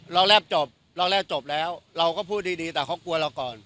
เราแรบจบเราแรบจบแล้วเราก็พูดดีแต่เขากลัวเราก่อน